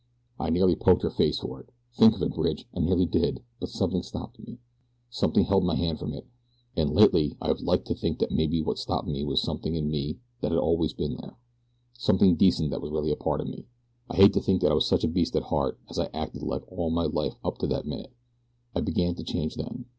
I nearly poked her face for her think of it, Bridge! I nearly did; but something stopped me something held my hand from it, an' lately I've liked to think that maybe what stopped me was something in me that had always been there something decent that was really a part of me. I hate to think that I was such a beast at heart as I acted like all my life up to that minute. I began to change then.